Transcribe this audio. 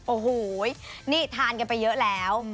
โอ้โหนี่ทานกันไปเยอะแล้ว